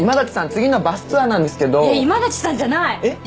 次のバスツアーなんですけどいや今立さんじゃないえっ？